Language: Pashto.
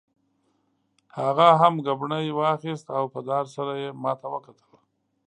هغه هم ګبڼۍ واخیست او په ډار سره یې ما ته کتل.